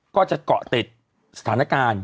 ก็จะเกาะติดสถานการณ์